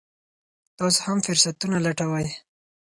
تاسو هم فرصتونه لټوئ.